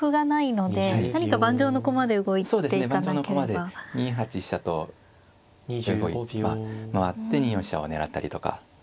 盤上の駒で２八飛車と回って２四飛車を狙ったりとか。